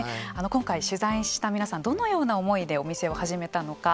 今回取材した皆さんどのような思いでお店を始めたのか